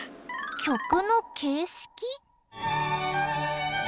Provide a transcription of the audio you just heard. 曲の形式？